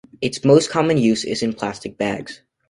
Its most common use is in plastic bags.